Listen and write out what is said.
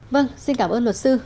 vâng xin cảm ơn luật sư